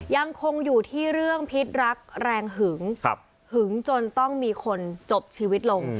ยังคงอยู่ที่เรื่องพิษรักแรงหึงหึงจนต้องมีคนจบชีวิตลง